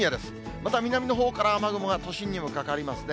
また南のほうから雨雲が都心にもかかりますね。